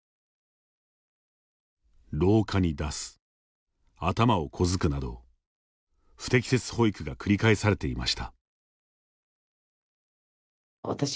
廊下に出す、頭をこづくなど不適切保育が繰り返されていました。